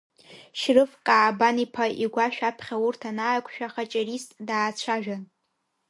Шьрыф Каабан-иԥа игәашә аԥхьа урҭ анааиқәшәа Хаҷарист даацәажәан…